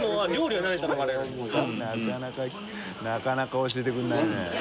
なかなか教えてくれないね。